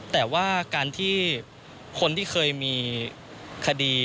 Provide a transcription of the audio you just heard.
แต่ว่าการที่คนที่เคยมีคดี